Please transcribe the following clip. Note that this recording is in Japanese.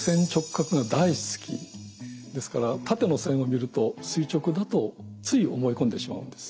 ですから縦の線を見ると垂直だとつい思い込んでしまうんです。